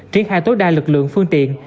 triển khai tối đa lực lượng phương tiện